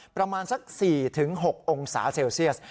ประมาณสัก๔๖องศาเซลเซียส